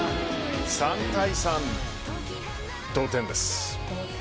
３対３、同点です。